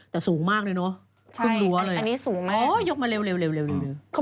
แต่สูงมากเลยเนอะ